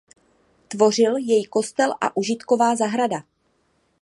Tvořil jej kostel a užitková zahrada.